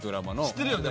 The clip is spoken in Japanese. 知ってるよね？